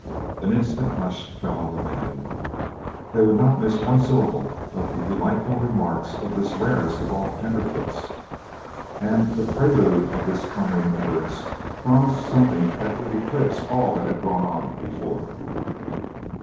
An instant hush fell on the men. They would not miss one syllable of the delightful remarks of this rarest of all tenderfoots, and the prelude of this coming utterance promised something that would eclipse all that had gone before.